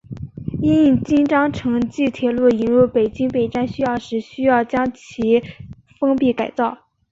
因应京张城际铁路引入北京北站需要时需要将其封闭改造。